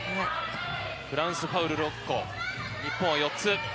フランス、ファウル６個、日本は４つ。